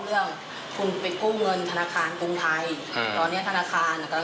เราก็รู้แล้วว่ามันเป็นคำพูดหลอกที่เราฟังมาแล้ว